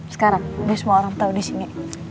sekarang biar semua orang tau disini